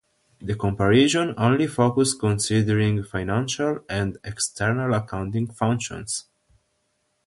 The comparison only focus considering financial and external accounting functions.